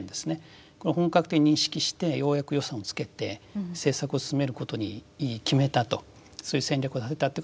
これ本格的に認識してようやく予算をつけて政策を進めることに決めたとそういう戦略を立てたと。